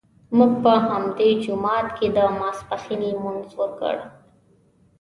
موږ په همدې جومات کې د ماسپښین لمونځ وکړ.